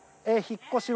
引っ越し？